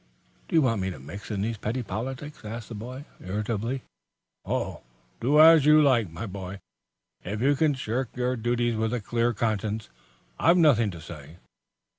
"Do you want me to mix in these petty politics?" asked the boy, irritably. "Oh, do as you like, my boy. If you can shirk your duties with a clear conscience, I've nothing to say."